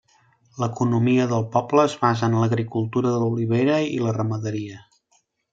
L'economia del poble es basa en l'agricultura de l'olivera i la ramaderia.